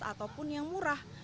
ataupun yang murah